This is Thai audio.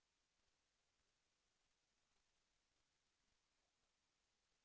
แสวได้ไงของเราก็เชียนนักอยู่ค่ะเป็นผู้ร่วมงานที่ดีมาก